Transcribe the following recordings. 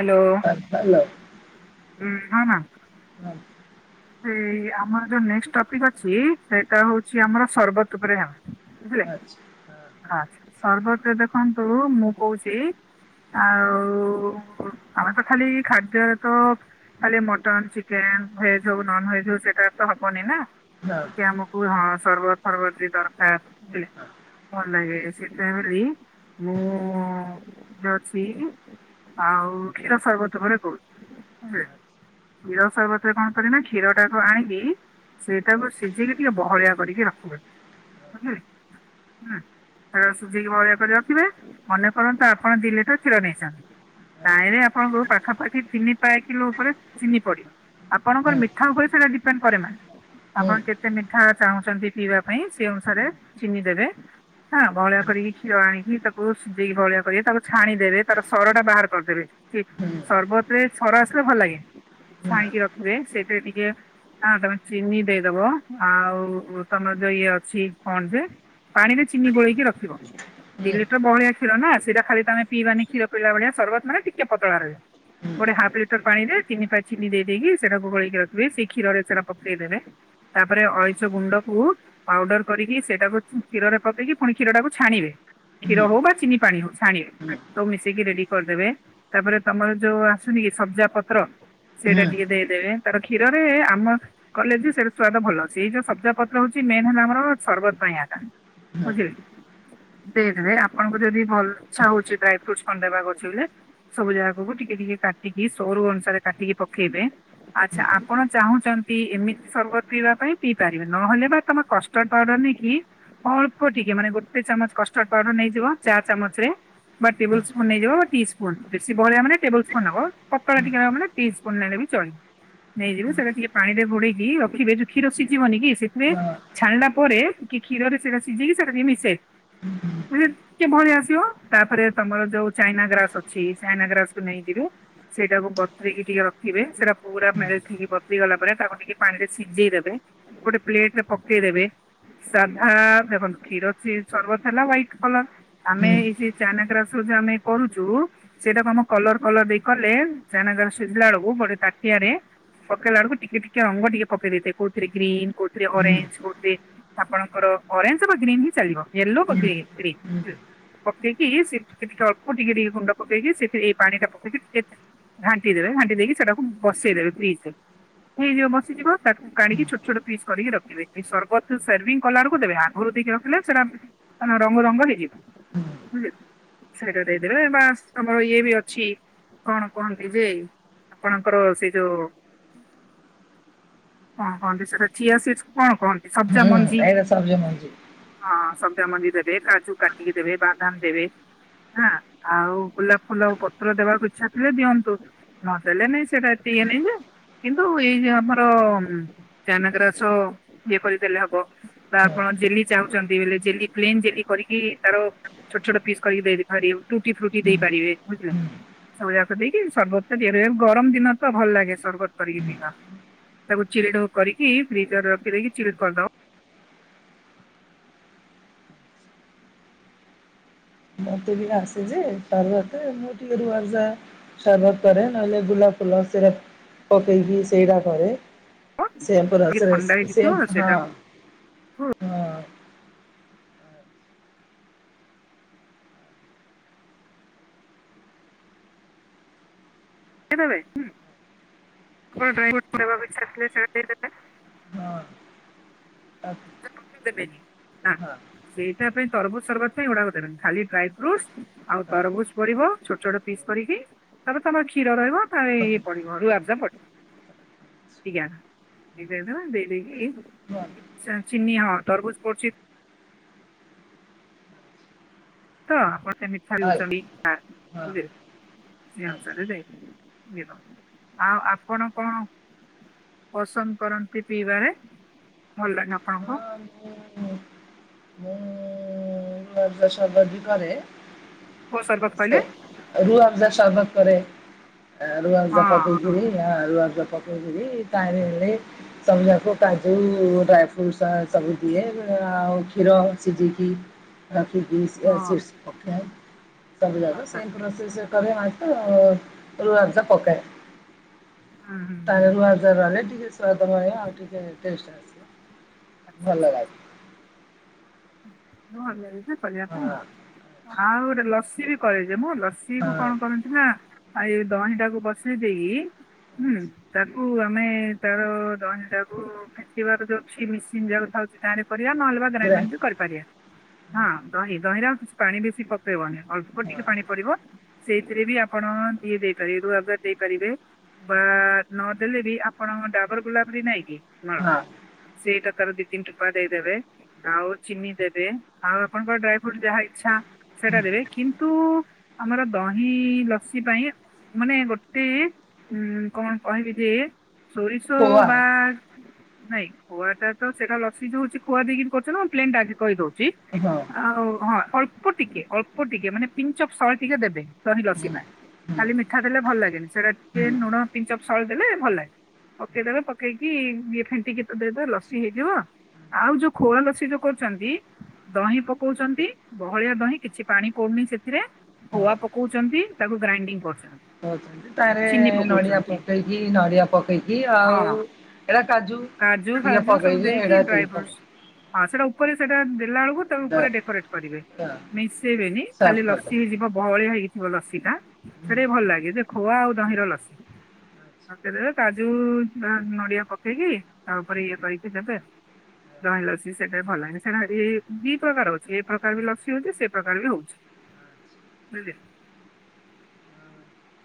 Hello ହା hello. ଉଁ ହଁ ହଁ। ହେଇ ଆମର ଯୋଉ ନେକ୍ସଟ୍ ଟପିକ ଅଛି ସେଇଟା ହୋଉଛି ଆମର ସର୍ବତ୍ ଉପରେ ହେବ। ବୁଝିଲେ ହା ସର୍ବତରେ ଦେଖନ୍ତୁ ମୁଁ କୋଉଛି ଆଉ ଆମେ ତ ଖାଲି ଖାଦ୍ୟରେ ତ ଖାଲି ମଟନ୍ ଚିକେନ୍ ଆମ ଭଏଜ୍ ହୋଉ, ନନ୍ ଭଏଜ ହଉ ସେଟାର୍ ତ ହବନି ନା ଟିକେ ଆମକୁ ହଁ ସର୍ବତ୍ ଫର୍ବତ୍ ଯି ଦରକାର। [unintelligible] ଭଲ୍ ଲାଗେ ସେଇ ଟାଇମ୍ ରେ ବି ମୁଁ ଯ [unintelligible] ଅଛି। ଆଉ କ୍ଷୀର ସୈବର୍ତ ପରେ ହୋଉ ହୁଏ। କ୍ଷୀର ଶୈବର୍ତ ରେ କଣ କରିବେନା କ୍ଷୀର ଟାକୁୁ ଆଣିକି ସେଇଟାକୁ ସିଝିକି ଟିକେ ବହଳିଆ କରିକି ରଖିବେ। ଉହୁ ହୁଁ। ଏରା ସିଜେଇକି ବହଳିଆ କରି ରଖିବେ ମନେ କରନ୍ତୁ ଆପଣ ଦି ଲିଟର୍ କ୍ଷୀର ନେଇଚନ୍ତି ପାଣିରେ ଆପଣଙ୍କୁ ପାଖାପାଖି ତିନି ପାଏ କିଲୋ ଉପରେ ଚିନି ପଡିବ ଆପଣଙ୍କର ମିଠା ଉପରେ ସେଟା ଡିପେଣ୍ଡ କରେନା। ଆପଣ କେତେ ମିଠା ଚାହୁଁଚନ୍ତି ପିଇବା ପାଇଁ ସେ ଅନୁସାରେ ଚିନି ଦେବେ। ହଁ ଭଳିଆ କରିକି କ୍ଷୀର ଆଣିକି ତାକୁ ସିଜେଇକି ଭଳିଆ କରିବେ ତାକୁ ଛାଣିଦେବେ ତାର ସର ଟା ବାହାର କରିଦେବେ। ସର୍ବତରେ ସର ଆସିଲେ ଭଲ ଲାଗେ ଛାଣିକି ରଖିବେ ସେଥିରେ ଟିକେ ହଁ ତମେ ଚିନି ଦେଇଦବ ଆଉ ତମର ଯୋଉ ଇଏ ଅଛି କଣ ଯେ ପାଣିରେ ଚିନି ଗୋଳେଇକି ରଖିବ ଦି ଲିଟର ବହଳିଆ କ୍ଷୀର ନା ସେଟା ଖାଲି ତ ଆମେ ପିଇବାନି କ୍ଷୀର ପିଲା ଭଳିଆ ସର୍ବତ ମାନେ ଟିକେ ପତଳା ରହିବ। ଗୋଟେ ହାଫ ଲିଟର ପାଣି ରେ ତିନି ପାଏ ଚିନି ଦେଇେଦେଇକି ସେଟାକୁ ଗୋଳେଇକି ରଖିବେ ସେଇ କ୍ଷୀରରେ ସେଟା ପକେଇଦବେ ତାପରେ ଅଳେଇଚ ଗୁଣ୍ଡକୁ ପାଉଡର କ ରିକି ସେଟାକୁ କ୍ଷୀରରେ ପକେଇକି ପୁଣି କ୍ଷୀରଟାକୁ ଛାଣିବେ। କ୍ଷୀର ହଉ ବା ଚିନି ପାଣି ହଉ ଛାଣିବେ ସବୁ ମିଶେଇକି ରେଡି କରିଦେବେ ତାପରେ ତମର ଯୋଉ ଆସୁନି କି ସବ୍ଜା ପତ୍ର ସେଇଟା ଟିକେ ଦେଇ ଦେବେ ତାର କ୍ଷୀରରେ ଆମ କଲେ ଜେ ସେଇଟା ସ୍ଵାଦ ଭଲ ସେଇ ଯୋଉ ସବ୍ଜା ପତ୍ର ହଉଛି ମେନ୍ ହେଲା ଆମର ସର୍ବତ ପାଇଁ ହେଟା ବୁଝିଲେ। ଷ୍ଟେଜ୍ ରେ ଆପଣଙ୍କୁ ଯଦି ଭଲ ଇଛାହଉଛି ଡ୍ରାଏଫ୍ରୁଟ୍ସ କଣ ଦେବାକୁ ଅଛି ବଲେ ସବୁ ଜାକକୁ ଟିକେ ଟିକେ କା ଟିକି ସର ଅନୁସାରେ କାଟିକି ପକେଇବେ ଆଚ୍ଛା ଆପଣ ଚାହୁଁ ଚନ୍ତି ଏମିତି ସର୍ବତ ପିବା ପାଇଁ ପିଇ ପାରିବେ ନହେଲେ ବା ତମେ କଷ୍ଟଟଡ ପାଉଡ଼ର ନେଇକି ଅଳ୍ପ ଟିକେ ମାନେ ଗୋଟେ ଚାମଚ କଷ୍ଟର୍ଡ ପାଉଡର ନେଇଯିବ ଚା ଚାମଚ ରେ ବା ଟେବୁଲ ସ୍ପୁନ ନେଇଯିବ ବା ଟି ସ୍ପୁନ୍ ବେଶୀ ବହଳିଆ ମାନେ ଟେବୁଲ ସ୍ପୁନ୍ ନବ ପତଳା ଟିକେ ରହିବ ମାନେ ପିସ୍ ନେଲେ ବି ଚଳିବ ନେଇଯିବେ ସେଟା ଟିକେ ପାଣିରେ ଘୋଡେଇକି ରଖିବେ ଜଉ କ୍ଷୀର ସିଜିବନି କି ସେଥିରେ ଛାଣିଲା ପରେ କି କ୍ଷୀରରେ ସେଟା ସିଜେଇିକି ସେଟା ଟିକେ ମିଶେଇ ଟିକେ ବହଳିଆ ଆସ ବ ତାପରେ ତମର ଯୋଉ ଚାଇନା ଗ୍ରାସ ଅଛି ଚାଇନା ଗ୍ରାସକୁୁ ନେଇ ଯିବେ ସେଇଟାକୁ ବତୁରେଇକି ଟିକେ ରଖିବେ ସେଇଟା ପୁରା ମେଲ୍ଟ ହେଇକି ବତୁରି ଗଲା ପରେ ତାକୁ ଟିକେ ପାଣିରେ ସିଜେଇ ଦେବେ ଗୋଟେ ପ୍ଲେଟରେ ପକେଇଦେବେ ସାଧା ଏବଂ କ୍ଷୀର ଚିଜ୍ ସର୍ବତ ହେଲା ହ୍ଵାଇଟ କଲର ଆମେ ଏଇ ଯେ ଚାଇନା ଗ୍ରାସ୍ ରୁ ଯେ ଆମେ କରୁଚୁ ସେଇଟାକୁ ଆମ କଲର କଲର ଦେଇ କଲେ ଚାଇନା ଗ୍ରାସ୍ ସିଝିଲା ବେଳକୁ ବ ତାଟିଆରେ ପକେଇଲା ବେଳକୁ ଟିକେ ଟିକେ ରଙ୍ଗ ଟିକେ ପକେଇ ଦେଇଥିବେ କୋଉଥିରେ ଗ୍ରୀନ କୋଉଥିରେ ଅରେଞ୍ଜ କୋଉଥିରେ ଆପଣଙ୍କର ଓରେଞଜ ବା ଗ୍ରିନ୍ ହିଁ ଚାଲିବ ୟୋଲ ପୋକେଇ ଗ୍ରିନ୍। ପକେଇକି ସେଇଥୁଟିକେ ଅଳ୍ପ ଟିକେ ଟିକେ ଗୁଣ୍ଡ ପକେଇକି ସେଥିରେ ଏଇ ପାଣି ଟା ପକେଇକି ଟିକେ ଘାଣ୍ଟି ଦେବେ। ଘାଣ୍ଟି ଦେଇକି ସେଟାକୁ ବସେଇଦେବେ ଫ୍ରିଜ୍‌ରେ ସେଇ ଯୋଉ ବସିଯିବ ତାକୁ କାଡ଼ିକି ଛୋଟ ଛୋଟ ପିସ୍ କରିକି ରଖିବେ ସର୍ବତ ଯୁ ସର୍ଭିଙ୍ଗ କଲା ବେଳକୁ ଦେବେ ଆଗରୁ କି ରଖିଲେ ସେଟା ତା ରଙ୍ଗ ରଙ୍ଗ ହେଇଯିବ। ସେଇଟା ଦେଇଦେବେ ବା ଆମର ଇଏ ବି ଅଛି କଣ କୁହନ୍ତି ଯେ ଆପଣଙ୍କର ସେଇ ଯୋଉ ହ ହ ଯେ ସେଇଟା ଚିଆ ସିଡ୍ କୁ କଣ କନ୍ତି ସବ୍ଜା ମଞ୍ଜି ଏଇଟା ସବଜମଞ୍ଜି ହଁ ସବ୍ ମନ୍ଦିରରେ କାଜୁ କାଟିକି ଦେବେ ବାଦାମ ଦେବେ ହଁ ଆଉ ଗୋଲାପ ଫୁଲ ଆଉ ପତ୍ର ଦେବାକୁ ଇଚ୍ଛା ଥିଲେ ଦିଅନ୍ତୁ ନ ଦେଲେନି ସେଟା ଏତେ ଇଏ ନାଇଁ ଯେ କିନ୍ତୁ ଏଇ ଯୋଉ ଆମର ଚାଇନ ଗ୍ରାସ ଇଏ କରିଦେଲେ ହବ ତାପରେ ଜେଲି ଚାହୁଁଚନ୍ତି ବଲେ ଜେଲି କ୍ଲିନ୍ ଜେଲି କରି କି ତାର ଛୋଟ ଛୋଟ ପିସ୍ କରି ଦେଇ ପାରୁ ଟି ଦେଇ ପାରିବେ ବୁଝିଲେ ସବୁ ଯାକ ଦେଇକି ସର୍ବତ ଟା ଗରମ ଦିନ ତ ଭଲ ଲାଗେ ସର୍ବତ କରିକି ପିବା। ତାକୁ ଚିିଲଡ କରିକି ଫ୍ରିଜରରେ ରଖି ଦେଇକି ଚିଲ୍ କରିଦବ। ମତେ ବି ଆସେ ଯେ ତର ବତେ ମୁଁ ଟିକେ ରୁଆଯା ସର୍ବତ କରେ ନହେଲେ ଗୋଲାପ ଫୁଲ ସେଟା ପକେଇବି ସେଇଟା କରେ। ଟିକେ ଥଣ୍ଡା ହେଇଯିବ ହଁ ସେଇଟାକୁ ହଁ। କେ ନବେ ହଁ। ଡ୍ରାଇ ଫ୍ର ପ୍ରଭାବ ସେ [unintelligible] ହଁ କବେ ବି ଦେବେନି ନା। ସେଇଟା ପାଇଁ ତରଭୁଜ ସରବତ ପାଇଁ ଏଗୁଡାକ ଦେବେନି ଖାଲି ଡ୍ରାଇ ଫ୍ରୁଟ୍ସ ଆଉ ତରଭୁଜ ପଡିବ ଛୋଟ ଛୋଟ ପି ବିଶେଷ କରିକି ତାପରେ ତମର କ୍ଷୀର ରହିବ ତା ଇଏ ପଡିବ ରୁଆବଜା ପଡିବ। [unintelligible] ଦେଇଦେଇକି [unintelligible] ଚିନନି ହଁ ତରଭୁଜ କରୁଛିିତ [inaudible] ତ ଆପଣ ସେ ମିଛାଳି ଉଛ [unintelligible] ନା ସେ ଅନୁସାରେ ଯାଇଥିଲି ବୁଝିଲ ଆଉ ଆପଣ କଣ ପସନ୍ଦ କରନ୍ତି ପିଇବାରେ ଭଲ ଲାଗେ ଆପଣଙ୍କୁ? [inaudible] କୋଉ ସରବତ କହିଲେ ସେ ରୁଆବଜା ସର୍ବତ କରେ ରୁଆବଜା ହଁ [unintelligible] ଆଜା ପକାଥିଲି ତାହିରେ ହେଲେ ସବୁଯାକ ଆକୁ କାଜୁ ଡ୍ରାଏ ଫ୍ରୁଟ୍ସସ -ସବୁ ଦିଏ। [unintelligible] ଆଉ କ୍ଷୀର ସିଝେଇକି ରଖିକି ଚିଆ ହଁ ସିଡ୍ସ ପକାଏ ସବୁ ଯାକ ଆଚ୍ଛା ସେମ୍ ଆଚ୍ଛା ପ୍ରୋସେସ୍ କରେ ମା ରୁ -ରୁଆବଜା ପକାଏ ହୁଁ ହୁଁ ହୁଁ ତାହିରେ ରୁଆବଜା ରହିଲେ ଟି ସାଧାମୟ ହେଲେ ଆଉ ଟିକେ ଟେଷ୍ଟ୍ ଆସିବ। ଆଚ୍ଛା ଭଲ ଆଚ୍ଛା ଲାଗେ। ଆଚ୍ଛା। ଭଲ ଲାଗୁଛି କରିବା ହଁ ପାଇଁ ଆଉ, ଆଚ୍ଛା ଆଉ ଗୋଟେ ଲସି ବି କରି ଯେ ମୁଁ ଲସି ହଁ। କୁ କଣ କରନ୍ତି ନା ଏଇ ଦହିଟାକୁ ବସେଇ ଦେଇ ହୁଁ ଆଚ୍ଛା ତାକୁ ଆମେ ତାର ଦହି ଟାକୁ ଫେଟିବାର ଯଉ [unintelligible] [inaudible] ନହେଲେ ଗ୍ରା ଗ୍ରାଇଡିଙ୍ଗ ବି କରିପାରିବା ହଁ ହି ଗହିରେ ଆଉ କିଛି ପାଣି ବେଶୀ ପକେଇବନି। ଅଳ୍ପ ହଁ ଟିକେ ପାଣି ପଡିବ ସେଇଥିରେ ବି ଆପଣ ଇଏ ଦିଏ ଦେଇପାରିବେ ରୁଆବଜା ଦେଇପାରିବେ। ବା ନଦେଲେ ବି ଆପଣଙ୍କ ଡାବର ଗୋଲାପବରି ନାଇଁ କି ହଁ ସେଇଟା ତଆର ଦିିତତିିନିପାଦେ ଦେବେ ଆଉଉ ଚିମି ଦେ ଆଉ ଆପଣଙ୍କର ଡ୍ରାଇ ଫ୍ରୁଟସ୍ ଯାହା ଇଛା ସେଇଟା ହୁଁ ଦେବେ କିନ୍ତୁ ଆମର ଦହି- ଇ - ଇ ଲସି ପାଇଁ ମାନେ ଗୋଟେ ଉ କଣ କହିବି ଯେ ସୋରିଷ ଖୋଆ ବା ନାଇଁ ଖୁଆଟା ତ ସେଇଟା ଲସି ଯୋଉ ହଉଛି ଖୁଆ ଦେଇକି କରୁଛ ନା ପ୍ଲେନଟା ଆଗେ କରିଦଉ ଜି ହଁ ଆଉ ହଁ ଅ ଅଳ୍ପ ଟିକେ, ଅଳ୍ପ ଟିକେ ମାନେ ପିଞ୍ଚ ଅଫ ସଲ୍ଟ ଟିକେ ଦେବେ ଦହି ଲସି ହୁଁ ଟା ହୁଁ ଖାଲି ମିଠା ଦେଲେ ଭଲ ଲାଗେନି ସେଇଟା ହୁଁ ଟିକେ ଲୁଣ ପିଂଚ ଅଫ ସଲ୍ଟ ଦେଲେ ଭଲ ଲାଗେ। ପକେଇଦେବେ ପକେଇକି ଇଏ ଫେଣ୍ଟିକି ଦେଇଦବେ ଲସି ହେଇଯିବ। ଆଉ ଯଉ ପାଇଁ ଖୁଆ ଲସି ଯୋଉ କରୁଛନ୍ତି। ଦହି ପକଉଛନ୍ତି ବହଳିଆ ଦହି କିଛି ପାଣି ପଡୁନି ସେଥିରେ। ଖୁଆ ପକଉଛନ୍ତି ତାକୁ ଗ୍ରାଇଣ୍ଡିଙ୍ଗ କରୁଛନ୍ତି। ହଉଛନ୍ତି ତାରେ ଚିନି ନଡିଆ ପକଉଛନ୍ତି। ପକେଇକି ନଡିଆ ପକେଇକି ଆଉ ହଁ ଏଇଟା କାଜୁ କାଜୁ ଟିକେ ଫାଜୁ ସବୁ ପକେଇକି ଦେଇକି ଏଇଟା ଡ୍ରାଇ ଟିକେ ଫ୍ରୁଟସ୍ ପକେଇ ହଁ ସେଟା ଉପ ଉପରେ ସେଟା ଦେଲା ବେଳକୁ ତା ଦ ଉପରେ ଡେକୋରେଟ କରିବେ ଦ ମିକ୍ସ [unintelligible] ସର୍ଫ ଖାଲି ଲସି ହେଇଯିବ ବହଳିଆ ହେଇ ଗ ଲସି ଟା ସେଟା ବି ଭଲ ଲାଗେ ଯେ ଖୁଆ ଆଉ ଦହିର ଲସି। କରିଦବ। ପାକେଇଦେବେ କାଜୁ ବା ନଡିଆ ପକେଇକି ତାପରେ ଇଏ କରିକି ଦେବେ। [unintelligible] ଲସି ସେଇଟା ବି ଭଲ ସେଟା ଯଦି ଦି ପ୍ରକାର ହଉଛି ଏ ପ୍ରକାର ବି ଲସି ହଉଛି ସେ ପ୍ରକାର ବି ହଉଛି ବୁଝିଲ।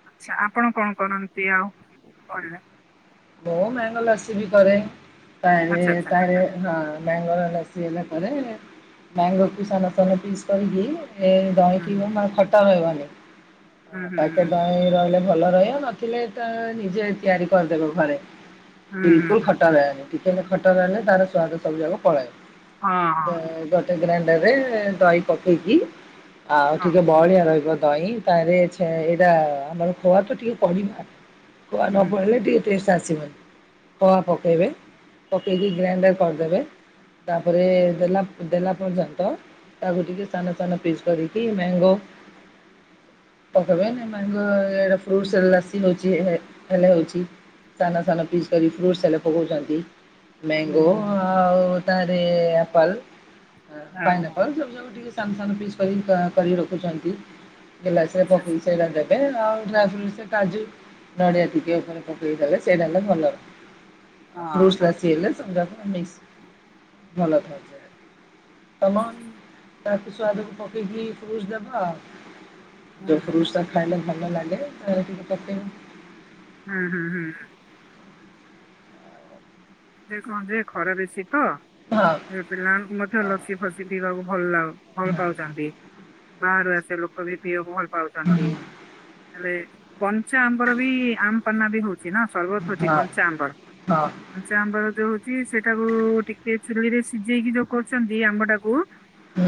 ଆଛା ଆପଣ କଣ କରନ୍ତି ଆଉ କିବା [unintelligible] ମୁଁ ମାଙ୍ଗୋ ଲସି ବି କରେ ହଁ ତାରେ ଆଚ୍ଛା ଆଚ୍ଛା ତରେ ହଁ [unintelligible] ଆସଲା ପରେ ମ୍ୟାଙ୍ଗୋ କୁ ସାନ ସାନ ପିସ୍ କରିକି ଆ ହୁଁ ଦହିକି ଜମା ଖଟା ରହିବନି ହୁଁ [unintelligible] ହୁଁ ଦହିଁ ରହିଲେ ଭଲ ରହିବ ନଥିଲେ। ତ ନିଜେ ତିଆରି କରିଦେବ ଘରେ। ହୁଁ ହୁଁ ବିଲକୁଲ ହୁଁ ଖଟ ହେହନି ଟିକେ ଖଟା ରହନି ତାରଦ ସବୁ ଯାକ ହଁ ପଳେଇବ। ହଁ ଗ ଗୋଟେ ଗ୍ରଇଣ୍ଡରେ ତହି ପକେଇକି ଆଉ ହଁ ଟିକେ ବହଳିିଆ ରହିବ। ତହିଁ ତାହଲେ ଏଇଟା ଆମର ଖଆ ତ ଟିକେ ପମା [unintelligible] କୁଆ ହୁଁ ନ ପଳଇଲେ ହୁଁ ଟିକେ ଟେଷ୍ଟ ଆସିବନି। କଆ ପକେଇବେ ପକେଇକି ଗ୍ରାଇଣ୍ଡର କରିଦେବେ। ତାପରେ ଦେଲା ଦେଲା ପର୍ଯ୍ୟନ୍ତ ତାକୁ ଟିକେ ସାନ ସାନ ପିସ୍ କରିକି ମ୍ୟାଙ୍ଗୋ [unintelligible] ମେଙ୍ଗୋ ଏଆର ଫ୍ରୁଟସ ଲସି ହଉଚି ଏ ଏଲ ହଉଚି। ସାନ ସାନ ପିସ୍ କରି ଫ୍ରୁଟ୍ସ ହେଲେ ପକଉଛନ୍ତି ମ୍ୟାଙ୍ଗୋ ହୁଁ ହୁଁ ଆଉ ଏପଲ ହଁ ହଁ ପାଇନପଲ ସବ ଠିକ ସାନ ସାନ ପିସ୍ କରି କରି ରଖୁଛନ୍ତି ଗିଲାସରେ ଆଚ୍ଛା ପକେଇ ଆଚ୍ଛା ସେଇଟା ଆଉ ଫ କାଜୁ ନଡିଆ ଟିକେ ଉପରେ ପକେଇଦେଲେ ସେଇଟା ହେ ଭଲ। ଆଉ ଫ୍ରୁଟ ସି ହେଲୋ ଭଲ ଉଯଏ। ତମ ତାକୁ ସ୍ୟାଦକୁ ପକେଇକି ଫୁଜ ଦବା ହଁ ଆଉ। ଯଉ ଫ୍ରୁଟ୍ ସ ଖାଇଲେ ଭଲ ଲାଗେ [inaudible] ହୁଁ ହୁଁ ହୁଁ। ଏ କହ ଯେ ଖରା ବେଶୀ ହଁ। ହଁ। ତ ପିଲା ମଧ୍ୟ ହଁ ଲସି ଫସି ପିଇବାକୁ ଭଲ ଭଲ ଅ ଭଲ ହଁ ପାଉଚନ୍ତି। ବାହାରୁ ଆସ ଲୋକ ବି ପିଅ ଭଲ ହଁ ହଁ ପାଉଛନ୍ତି ହୁଁ ହେଲେ କଞ୍ଚା ଆମ୍ବର ବି ଆମ୍ପନା ବି ହଉଛି। ନା ସରବତ ହଉଛି ହଁ କଞ୍ଚା ଆମ୍ବର। ହଁ ଆମ୍ବର ଯୋଉ ହଉଛି ସେଟାକୁ ଟିକେ ଚୁଲି ରେ ସିଝେଇକି ଯୋଉ କରୁଛନ୍ତି ଆମ୍ବଟାକୁ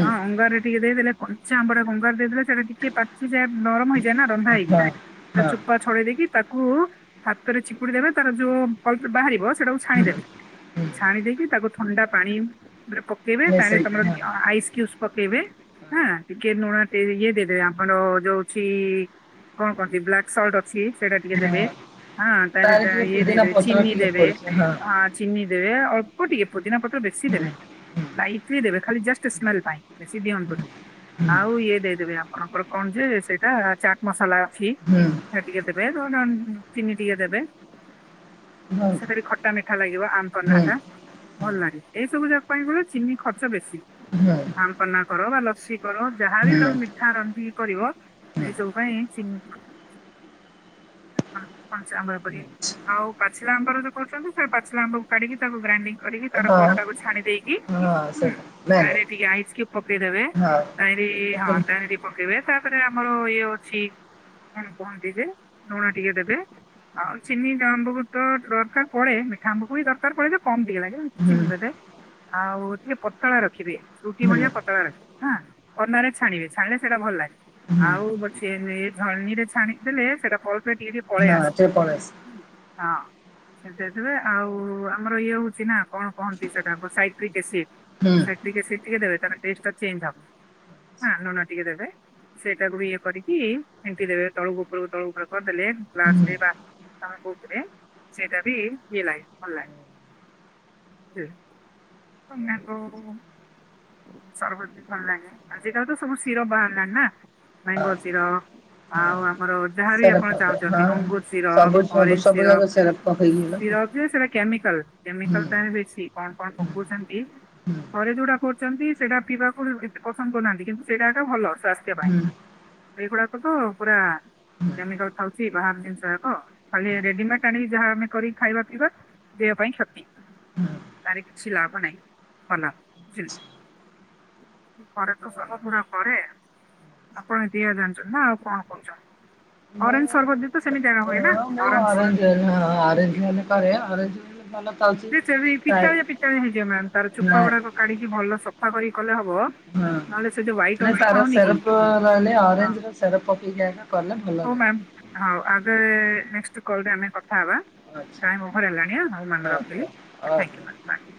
ତ ହଁ ଅଙ୍ଗାର ଟିକେ ଦେଇଦେଲେ କଞ୍ଚା ଆମ୍ବ ଅଙ୍ଗାର ଦେଇଦେଲେ ସେଟା ଟିକେ ପାଚିଯାଏ ନରମ ହେଇଯାଏ ନା ରନ୍ଧା ହେଇକି, ତା ଚୁପା ଛଡେଇ ଦେଇକି ତାକୁ ହାତରେ ଛିପୁଡି ଦେବେ ତାର ଯୋଉ୍ ବାହାରିବ ସେଟାକୁ ହୁଁ ଛାଣିଦେବେ, ଛାଣି ଦେଇକି ତାକୁ ଥଣ୍ଡା ପାଣି ପକେଇବେ ତାହେଲେ ମିଶେଇକି ତମର ହଁ। ଆଇସ୍ କ୍ୟୁ ପକେଇବେ ହଁ ଟିକେ ଲୁଣ ଟ ଇଏ ଦେଇଦେବେ ଆମର ଯୋ ହଉଚି କଣ କହନ୍ତି ବ୍ଲାକ୍ ସଲ୍ଟ ଅ ଏ ସେଟା ଟିକେ ହଁ ଦେବେ ହଁ ହଁ ତାହେଲେ ତାର ଟିକେ ଇଏ ପୁଦିନା ଦେବେ ପତ୍ର ଚିନି ଟିକେ ଦେବେ। ପଡୁଛି ହଁ ଆ ଚିନି ଦେବେ ଅଳ୍ପ ଟିକେ ପୁଦିନା ପତ୍ର ବେଶି ହୁଁ। ଦେବେନି ହୁଁ ଲାଇଟ ବି ଦେବେ। ଖାଲି ଜଷ୍ଟ ସ୍ମେଲ୍ଲ୍ ପାଇଁ। ବେଶୀ ଦିଅନ୍ତୁନି। ହୁଁ ଆଉ ଇଏ ଦେଇଦେବେ ଆଉ ଆପଣଙ୍କର କଣ ଯେ ସେଇଟା ଚାଟ୍ ମସଲା ଅଛି। ହୁଁ ସେ ଟିକେ ଦେବେ। ନ ଚିନି ଟିକେ ଦେବେ। ହ। କାଠା ମିଠା ଲାଗିବ ଆମ ପନ୍ନାଟା ଭଲ ଲାଗେ। ଏଇ ସବୁ ଯାକ ପାଇଁ ଗଲେ ଚିନି ଖର୍ଚ୍ଚ ବେଶୀ। ଆମ ପନ୍ନା କର ବା ଲସି କର ଯାହାବି ହୁଁ ତମେ ମିଠା ରନ୍ଧିକ କରିବ ଏଇ ହୁଁ ସବୁ ପାଇଁ ଚି [unintelligible] ଆଉ ପାଚିଲା ଆମ୍ବର କରୁଛନ୍ତି ସେ ପାଚଲା ଆମ୍ବକୁ କାଢିକି ତାକୁ ଗ୍ରାଇଡିଙ୍ଗ କରିକି ତାର ହଁ ପରତାକୁ ଛାଣି ଦେଇକି। ହୁଁ ତାର ଟିକେ ଆଇସ୍ କ୍ୟୁବ୍ ପକେଇଦେବେ ତାର ହଁ ତାର ପକେଇବେ। ତାପରେ ଆମର ଇଏ ଅଛି। କଣ କୁହନ୍ତି ଯେ ଲୁଣ ଟିକେ ଦେବେ ଆଉ ଚିନିମ୍ୱୁତ ତ ଦରକାର। ପରେ ମିଠା ଆମ୍ବକୁ ବି ଦରକାର ପଡେ ଯେ କମ ଟିକେ ଲାଗେ ଚିନି। [unintelligible] ଆଉ ଟିକେ ପତଳା ରଖିବେ, ରୁଟି ଭଳିଆ ପତଳା ରଖିବେ। ହାଁ କାନରେ ଛାଣିବେ ଛାଣିଲେ ସେଇଟା ଭଲ ହେଲା ଆଉ ଧଣୀରେ ଛାଣି ଦେଲେ ସେଟା ଟିକେ ଟିକେ ପଳେଇ ଆସିବ ହଁ। ସେ ଦେଇଥିବେ ଆଉ ଆମର ଇଏ ହଉଛି ନା କଣ କହନ୍ତି ସେଟା ସାଇଟ୍ରକ୍ ଏସିଡ। ସେ ଟିକେ ସେ ଟିକେ ଦେ ତାର ଟେଷ୍ଟ ଚେଞ୍ଜ ହବ ଲୁଣ ଟିକେ ଦେବେ। ସେଇଟାକୁୁ ବି ଇଏ କରିକି ଫେଣ୍ଟି ଦେବେ ତଳକୁ ଉପରକୁ ତଳ ଉପର କରିଦେଲେ ଗ୍ଲାସରେ ପା ତାହାକୁ ଉପରେ ସେଇଟା ବି ଇଏ ଲାଗେ ଭଲ ଲାଗେ। [unintelligible] ସରବତ [unintelligible] ଭଲ ଲାଗେ ଆଜିକାଲି ତ ସବୁ ସୀରପ ବାହାରିଲାଣି ନା। ହଁ ମ୍ୟାଙ୍ଗୋ ସୀରପ ଆଉ ହଁ ଆ ମୋର ଯାହା ବିି ସେରପ ଆପଣ ଚାହୁଁଚନ୍ତି ହଁ ଅଙ୍ଗୁର ସବୁ ସୀରପ ସବୁ ଅରେଞ୍ଜ ସବୁ ଯାକ ସୀରପ ସେରପ ପକେଇକି ହୁଁ ସୀରପ ଯେ ସେଟା କେମିକାଲ ହୁଁ କେମିକାଲଟା ବେଶୀ କଣ କଣ ହୁଁ ପକୋଉଚନ୍ତି। ହୁଁ ଘରେ ଯୋଉଟା କରୁଚନ୍ତି ସେଇଟା ପିବାକୁ ଇ [unintelligible] ପସନ୍ଦ କରୁନାହାନ୍ତି କିନ୍ତୁ ସେଇଟା ତ ଭଲ ସ୍ଵାସ୍ଥ୍ୟ ପାଇଁ। ହୁଁ ଏଗୁଡାକ ତୁ ପୁରା କେମିକାଲ ଥାଉଚି ବାହାର ଜିନିଷ ଯାକ ଖାଲି ରେଡିମେଟ୍ ଆଣିକି ଯାହା ଆମେ କରି ଖାଇବା ପିଇବା ଦେହ ପାଇଁ ଶକ୍ତି। ପାରିକି [unintelligible] କିଛି ଲାଭ ନାହିଁ ଭଲ ବୁଝିଲ୍। [unintelligible] ପୁରା ପରେ ଆପଣ ଏତିକ ଜାଣିଚନ୍ତି ନା ଆଉ କଣ କରୁଚନ୍ତି। ଅରେଞ୍ଜ ସରବତ ବି ତ ସେମିତିଆ ହୁଏ ନା। ଅରେଞ୍ଜ ଆଞଜଁ ଆରେଞଜ କରେ ଆରେଞଜ [unintelligible] ସେ ପିତାଳିଆ, ପିତାଳିଆ, ହେଇଯିବ ମା, ତାର ଚୁପା ଗୁଡା କାଢିକି ଭଲ ସବ କା [unintelligible] କରି କଲେ ହବ ହଁ ନହେଲେ ସେଠି ହାଇଟ୍ ନାଇଁ ଅଂଶ ତାର ହେଉନି କି? ସେରପ ରହିଲେ ଅରେଞ୍ଜ ର ସେରପ ପକେଇକି ଏକା କଲେ ଭଲ ହଉ ଲାଗେ ମାମ୍, ହଉ, ଆଗେ ନେଷ୍ଟ କଲ ରେ ଆମେ କଥାହେବା। ଆଚ୍ଛା ଟାଇମ ଓଭର ହେଲାଣି, ମୁଁ ମନେ ଆଚ୍ଛା ଆଚ୍ଛା ରଖିଲି।